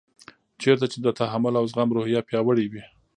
چېرته چې د تحمل او زغم روحیه پیاوړې وي.